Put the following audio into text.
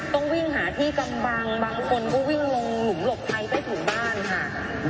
ต้องวิ่งหาที่กำบังบางคนก็วิ่งลงหลุมหลบภัยใต้ถุนบ้านค่ะ